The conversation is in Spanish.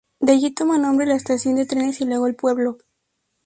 De allí toma nombre la Estación de trenes y luego el Pueblo.